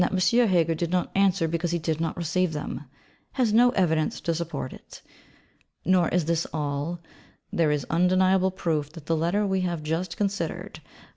Heger did not answer because he did not receive them has no evidence to support it. Nor is this all; there is undeniable proof that the letter we have just considered (_which M.